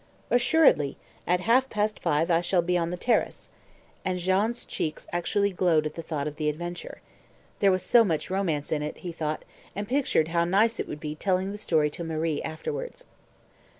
"Assuredly at half past five I shall be on the terrace," and Jean's cheeks actually glowed at the thought of the adventure. "There was so much romance in it," he thought, and pictured how nice it would be telling the story to Marie afterwards.